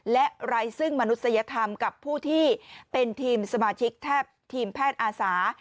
และไร้ซึ่งมนุษยธรรมกับผู้ที่เป็นทีมสมาชิกแทบทีมแพทย์อาสา